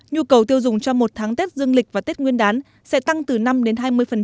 nhu cầu tiêu dùng cho một tháng tết dương lịch và tết nguyên đán sẽ tăng từ năm đến hai mươi